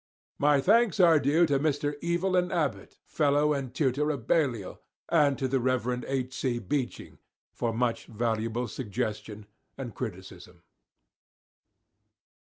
My thanks are due to Mr. EVELYN ABBOTT, Fellow and Tutor of Balliol, and to the Rev. H. C. BEECHING, for much valuable suggestion and criticism.